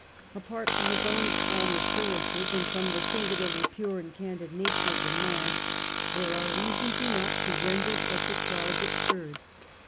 Apart from his own calm assurances, and from the singularly pure and candid nature of the man, there are reasons enough to render such a charge absurd.